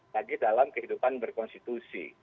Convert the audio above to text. lagi dalam kehidupan berkonstitusi